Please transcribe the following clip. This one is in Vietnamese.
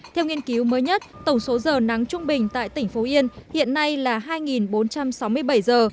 theo nghiên cứu mới nhất tổng số giờ nắng trung bình tại tỉnh phú yên hiện nay là hai bốn trăm sáu mươi bảy giờ